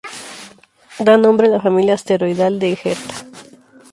Da nombre a la familia asteroidal de Herta.